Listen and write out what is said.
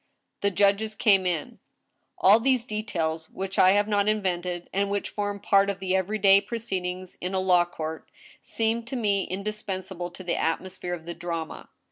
' The judges came in. All these details, which I have not invented, and which form part of the every day proceedings in a law court, seem to me indis pensable to the atmosphere of the drama.